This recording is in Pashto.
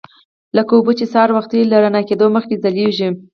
لکه اوبه چې سهار وختي له رڼا کېدو مخکې ځلیږي.